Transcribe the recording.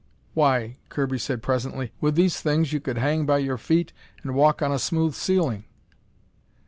"Why," Kirby said presently, "with these things you could hang by your feet and walk on a smooth ceiling!"